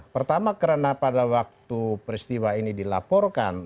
pertama karena pada waktu peristiwa ini dilaporkan